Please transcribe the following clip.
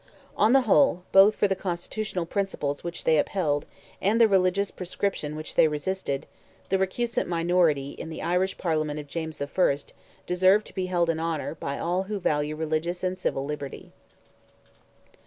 On the whole, both for the constitutional principles which they upheld, and the religious proscription which they resisted, the recusant minority in the Irish Parliament of James I. deserve to be held in honour by all who value religious and civil liberty.